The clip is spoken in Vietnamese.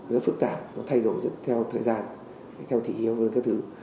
rất phức tạp nó thay đổi theo thời gian theo thị hiệu